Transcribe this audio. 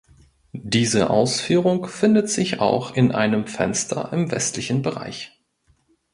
Diese Ausführung findet sich auch in einem Fenster im westlichen Bereich.